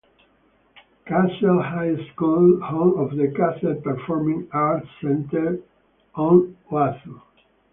Castle High School, home of the Castle Performing Arts Center on Oahu.